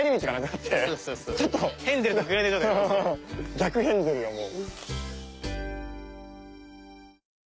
逆ヘンゼルよもう。